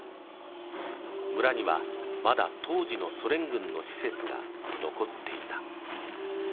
村にはまだ当時のソ連軍の施設が残っていた。